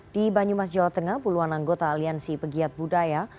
di banyumas jawa tengah puluhan anggota aliansi pegiat budaya